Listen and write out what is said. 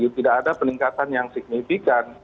tidak ada peningkatan yang signifikan